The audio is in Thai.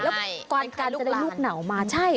แล้วกว่าการจะได้ลูกหนาวมาใช่